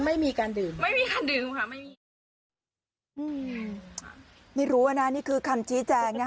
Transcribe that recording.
ไม่รู้นี่คือคำจี้แจง